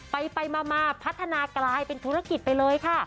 ไปมาพัฒนากลายเป็นธุรกิจไปเลยค่ะ